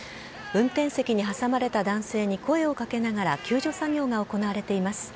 運転席に挟まれた男性に声をかけながら救助作業が行われています。